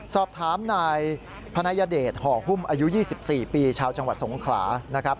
สอบถามนายพนัยเดชห่อหุ้มอายุ๒๔ปีชาวจังหวัดสงขลานะครับ